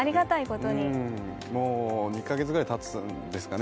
もう２か月ぐらい経つんですかね。